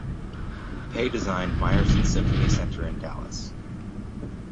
Pei-designed Meyerson Symphony Center in Dallas.